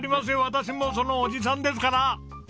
私もそのおじさんですから。